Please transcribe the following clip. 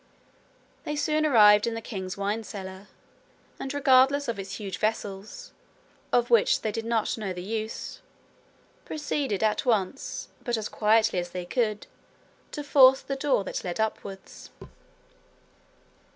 They soon arrived in the king's wine cellar, and regardless of its huge vessels, of which they did not know the use, proceeded at once, but as quietly as they could, to force the door that led upwards.